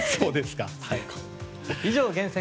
以上、厳選！